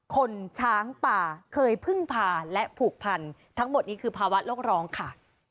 คนช้างป่าเคยพึ่งพาและผูกพันทั้งหมดนี้คือภาวะโลกร้องค่ะ